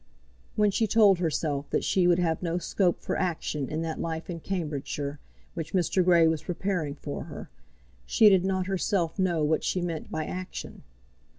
When she told herself that she would have no scope for action in that life in Cambridgeshire which Mr. Grey was preparing for her, she did not herself know what she meant by action.